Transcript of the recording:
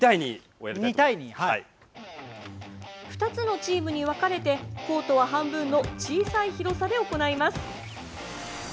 ２つのチームに分かれてコートは半分の小さい広さで行います。